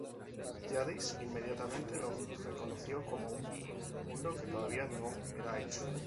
Jadis inmediatamente lo reconoció como un mundo que todavía no era hecho.